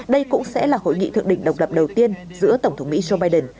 đây cũng sẽ là hội nghị thượng đỉnh độc lập đầu tiên giữa tổng thống mỹ joe biden